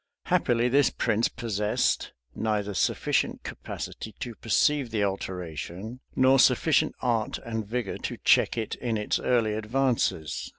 Happily, this prince possessed neither sufficient capacity to perceive the alteration, nor sufficient art and vigor to check it in its early advances.